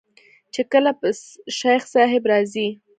چې کله به شيخ صاحب راځي.